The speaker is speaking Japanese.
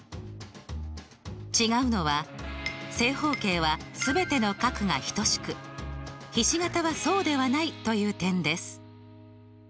違うのは正方形は全ての角が等しくひし形はそうではないという点です。